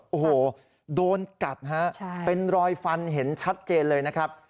โอ้โหโดนกัดฮะเป็นรอยฟันเห็นชัดเจนเลยนะครับ